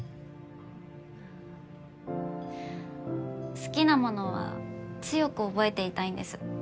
好きなものは強く覚えていたいんです。